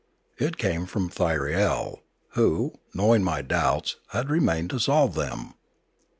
It came from Thyriel, who, knowing my doubts, had remained to solve them.